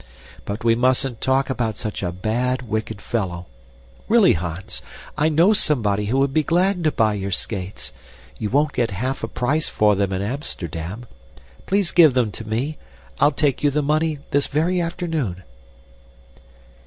But we mustn't talk about such a bad, wicked fellow. Really, Hans, I know somebody who would be glad to buy your skates. You won't get half a price for them in Amsterdam. Please give them to me. I'll take you the money this very afternoon."